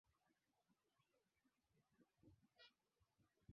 s mwanamke pekee katika bara la afrika